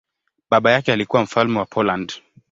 Baba yake alikuwa mfalme wa Poland.